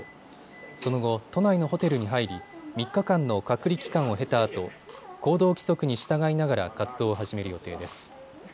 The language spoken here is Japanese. その後、都内のホテルに入り、３日間の隔離期間を経たあと行動規則に従いながら活動を始める予定です。